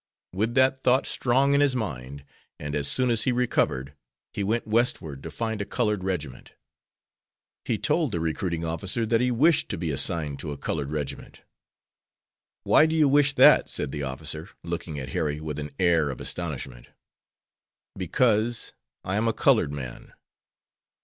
With that thought strong in his mind, and as soon as he recovered, he went westward to find a colored regiment. He told the recruiting officer that he wished to be assigned to a colored regiment. "Why do you wish that," said the officer, looking at Harry with an air of astonishment. "Because I am a colored man."